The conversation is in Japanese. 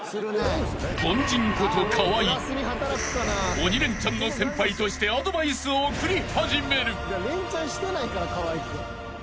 ［『鬼レンチャン』の先輩としてアドバイスを送り始める］